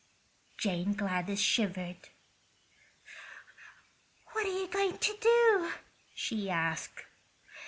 Jane Gladys shivered. "What are you going to do?" she asked.